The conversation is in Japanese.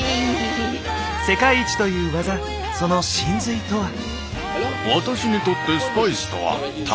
世界一という技その神髄とは？